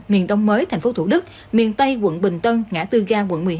miền đông mới tp thủ đức miền tây quận bình tân ngã tư ga quận một mươi một